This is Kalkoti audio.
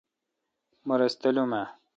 مہ رس تلم اؘ۔